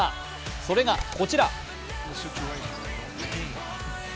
それがこちら。